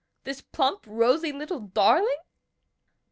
this plump, rosy little darling?"